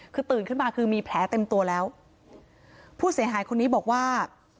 คือตื่นขึ้นมาคือมีแผลเต็มตัวแล้วผู้เสียหายคนนี้บอกว่า